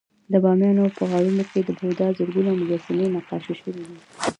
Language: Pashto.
د بامیانو په غارونو کې د بودا زرګونه مجسمې نقاشي شوې وې